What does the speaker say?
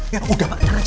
ya udah pak sekarang aja